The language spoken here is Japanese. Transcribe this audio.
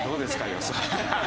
予想。